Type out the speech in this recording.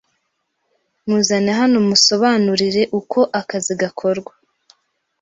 Muzane hano musobanurire uko akazi gakorwa.